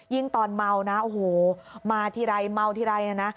ตอนเมานะโอ้โหมาทีไรเมาทีไรนะนะ